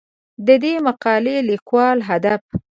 د دې مقالې د لیکلو هدف